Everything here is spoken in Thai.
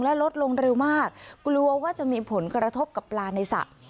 และลดลงเร็วมากกลัวว่าจะมีผลกระทบกับปลาในสระ